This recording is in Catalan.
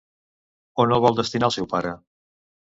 On el vol destinar el seu pare?